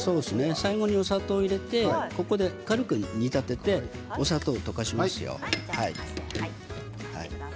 最後にお砂糖を入れて軽く煮立ててお砂糖を溶かしますよ。